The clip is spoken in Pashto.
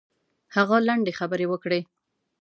هغه لنډې خبرې وکړې.